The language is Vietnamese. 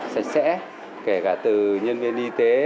sạch sẽ kể cả từ nhân viên y tế